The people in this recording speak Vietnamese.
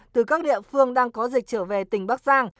từ các địa phương đang có dịch trở về tỉnh bắc giang